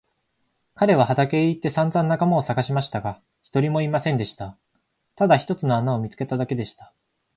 彼は畑へ行ってさんざん仲間をさがしましたが、一人もいませんでした。ただ一つの穴を見つけただけでした。